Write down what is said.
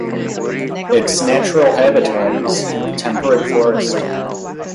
Its natural habitat is temperate forest.